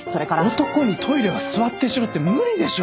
男にトイレは座ってしろって無理でしょ。